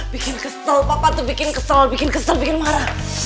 bikin kesel papa tuh bikin kesel bikin kesel bikin marah